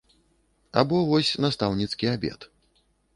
Або вось настаўніцкі абед.